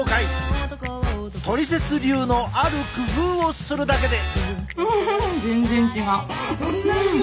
トリセツ流のある工夫をするだけで。